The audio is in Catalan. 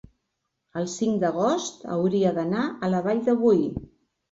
el cinc d'agost hauria d'anar a la Vall de Boí.